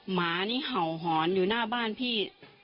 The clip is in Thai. หมานี่เห่าหอนอยู่หน้าบ้านพี่